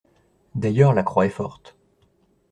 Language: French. D'ailleurs, la Croix est forte.